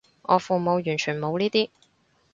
我父母完全冇呢啲